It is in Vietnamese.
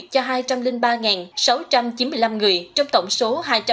cho hai trăm linh ba sáu trăm chín mươi năm người trong tổng số hai trăm năm mươi một